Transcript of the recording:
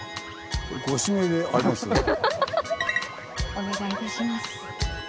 お願いいたします。